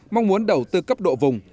mong muốn đầu tư cấp độ vùng